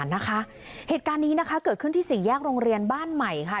น้องรอดปาฏิหารนะคะเหตุการณ์นี้นะคะเกิดขึ้นที่สิ่งแยกโรงเรียนบ้านใหม่ค่ะ